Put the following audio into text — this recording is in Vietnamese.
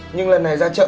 nhưng lần này ra trận